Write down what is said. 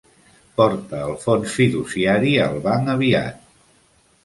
Porta el fons fiduciari al banc aviat.